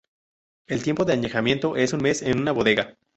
El tiempo de añejamiento es un mes, en una bodega.